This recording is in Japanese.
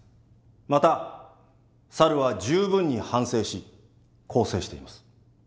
また猿は十分に反省し更生しています。